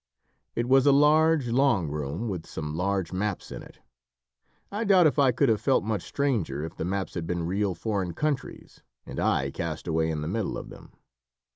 It was a large, long room with some large maps in it. I doubt if I could have felt much stranger if the maps had been real foreign countries, and I cast away in the middle of them.